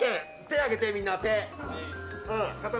手上げてみんな。